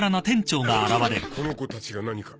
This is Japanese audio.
この子たちが何か？